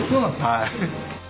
はい。